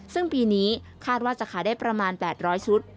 ซึ่งปีนี้คาดว่าจะขายได้ประมาณ๘๐๐ชุด